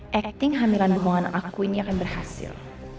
dan acting hamilan buah anak aku ini akan berhasil